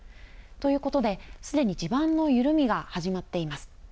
ということで、すでに地盤の緩みが始まっています。